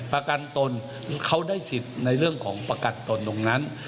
ประกันตนเขาได้สิทธิ์ในเรื่องของประกันตนตรงนั้น